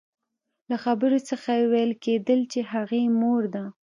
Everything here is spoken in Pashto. له خبرو څخه يې ويل کېدل چې هغې مور ده.